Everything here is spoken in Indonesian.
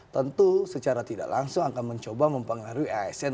tentu secara tidak langsung akan mencoba mempengaruhi asn